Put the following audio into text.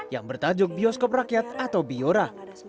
yang bertajuk bioskop rakyat atau biora